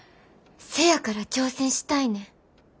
せやから挑戦したいねん。